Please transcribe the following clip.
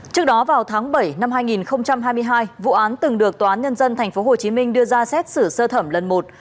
trước đó vào tháng bảy năm hai nghìn hai mươi hai vụ án từng được tnthhm đưa ra xét xử sơ thẩm lần một